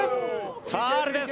ファウルです。